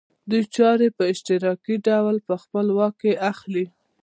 دوی چارې په اشتراکي ډول په خپل واک کې اخلي